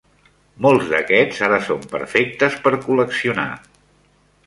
Molts d'aquests ara són perfectes per col·leccionar.